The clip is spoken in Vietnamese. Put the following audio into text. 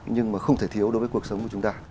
nhưng mà không thể thiếu đối với cuộc sống của chúng ta